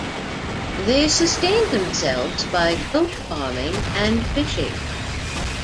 They sustained themselves by goat farming and fishing.